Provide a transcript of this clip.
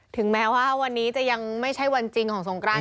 ถึงแม้ว่าวันนี้จะยังไม่ใช่วันจริงของสงกราน